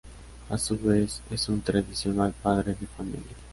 A su vez, es un tradicional padre de familia.